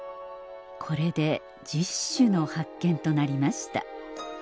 これで１０種の発見となりました